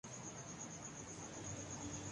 میں گاڑی سے نکلا اور پیدل چل پڑا۔